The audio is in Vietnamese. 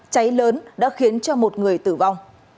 cháy lớn đã khiến cho một người tử vong